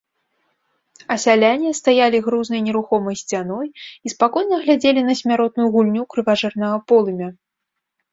А сяляне стаялі грузнай нерухомай сцяной і спакойна глядзелі на смяротную гульню крыважэрнага полымя.